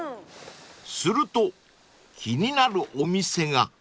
［すると気になるお店が］